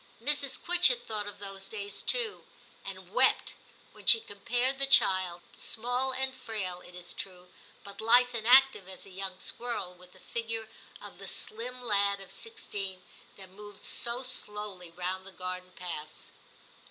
XII TIM 295 Mrs. Quitchett thought of those days too, and wept when she compared the child, small and frail, it is true, but lithe and active as a young squirrel, with the figure of the slim lad of sixteen that moved so slowly round the garden paths.